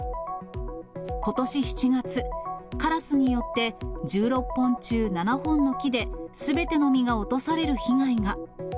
ことし７月、カラスによって１６本中７本の木で、すべての実が落とされる被害が。